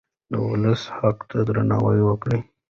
د ولس حق ته درناوی وکړئ.